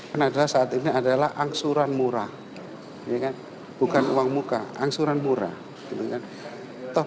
karena saat ini adalah angsuran murah bukan uang muka angsuran murah